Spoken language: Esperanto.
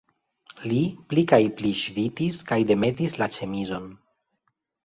Li pli kaj pli ŝvitis kaj demetis la ĉemizon.